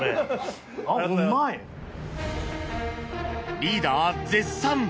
リーダー絶賛！